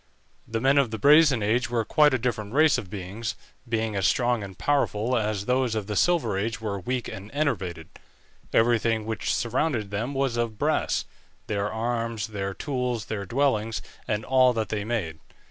The men of the Brazen Age were quite a different race of beings, being as strong and powerful as those of the Silver Age were weak and enervated. Everything which surrounded them was of brass; their arms, their tools, their dwellings, and all that they made.